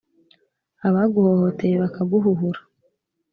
abaguhohoteye bakaguhuhura